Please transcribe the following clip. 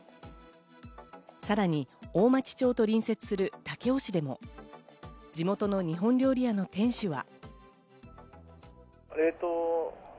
さらに大町町と隣接する武雄市でも地元の日本料理屋の店主は。